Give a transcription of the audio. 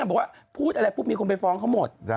อ่าพูดอะไรล่ะพุบมีคนไปฟ้องเขาหมด